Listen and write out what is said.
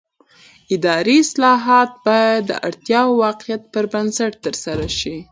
اداري اصلاحات باید د اړتیا او واقعیت پر بنسټ ترسره شي